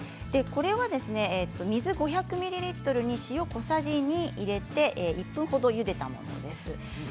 これはですね水５００ミリリットルに塩小さじ２入れて１分程ゆでたものです。